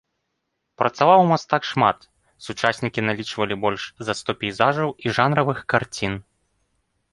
Працаваў мастак шмат, сучаснікі налічвалі больш за сто пейзажаў і жанравых карцін.